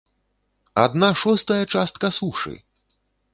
Адна шостая частка сушы!